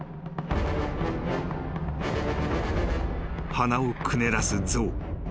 ［鼻をくねらす象］